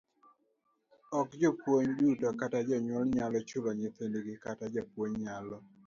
Ok jopuonj duto kata jonyuol nyalo chulo nyithindgi kata japuonj nyalo